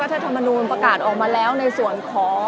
และที่อยู่ด้านหลังคุณยิ่งรักนะคะก็คือนางสาวคัตยาสวัสดีผลนะคะ